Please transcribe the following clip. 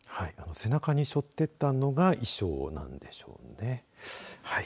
背中にしょっていたのが衣装なんでしょうね。